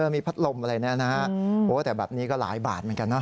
มีพัดลมอะไรแบบนี้นะแต่แบบนี้ก็หลายบาทเหมือนกัน